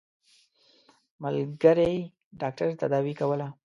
ملګري ډاکټر تداوي کوله.